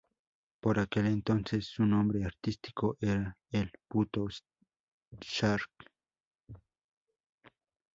Por aquel entonces su nombre artístico era el Puto Sark.